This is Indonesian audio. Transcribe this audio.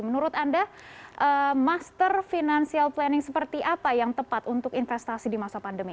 menurut anda master financial planning seperti apa yang tepat untuk investasi di masa pandemi